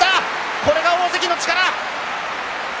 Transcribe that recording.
これが大関の力。